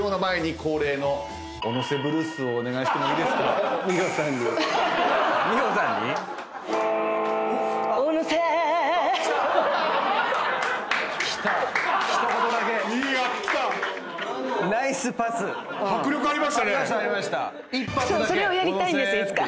それをやりたいんですいつか。